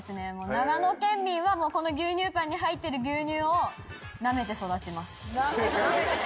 長野県民はもうこの牛乳パンに入ってる牛乳をなめて育ちます。